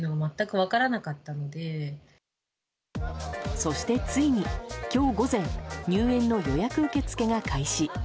そして、ついに今日午前入園の予約受け付けが開始。